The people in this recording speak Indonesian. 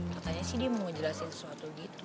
katanya sih dia mau ngejelasin sesuatu gitu